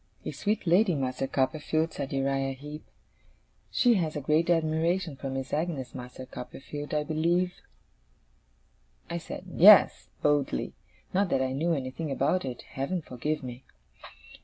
'A sweet lady, Master Copperfield!' said Uriah Heep. 'She has a great admiration for Miss Agnes, Master Copperfield, I believe?' I said, 'Yes,' boldly; not that I knew anything about it, Heaven forgive me!